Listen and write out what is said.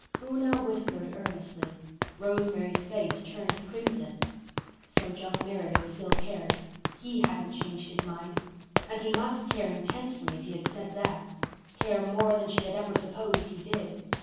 Una whispered earnestly. Rosemary's face turned crimson. So John Meredith still cared. He hadn't changed his mind. And he must care intensely if he had said that—care more than she had ever supposed he did.